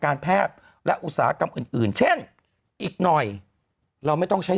การแพทย์และอุตสาหกรรมอื่นอื่นเช่นอีกหน่อยเราไม่ต้องใช้